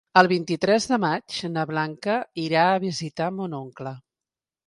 El vint-i-tres de maig na Blanca irà a visitar mon oncle.